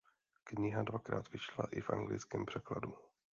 Kniha dvakrát vyšla i v anglickém překladu.